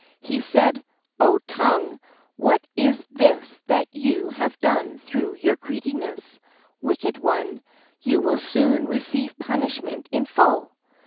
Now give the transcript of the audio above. He said: "Oh, tongue, what is this that you have done through your greediness? Wicked one, you will soon receive punishment in full."